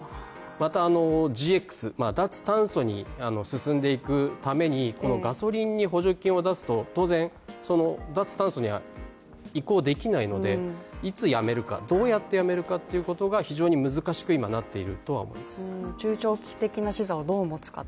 また、ＧＸ＝脱炭素に進んでいくためにガソリンに補助金を出すと、当然、脱炭素には移行できないので、いつやめるか、どうやってやめるかが非常に難しく今なっているとは思います。